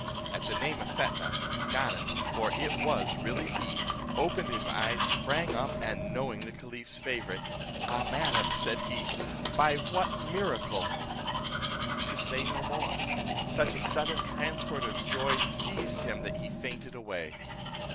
At the name of Fetnah, Ganem (for it was really he) opened his eyes, sprang up, and knowing the caliph's favourite; "Ah! madam," said he, "by what miracle" He could say no more; such a sudden transport of joy seized him that he fainted away.